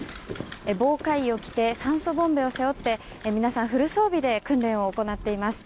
防火衣を着て酸素ボンベを背負って皆さん、フル装備で訓練を行っています。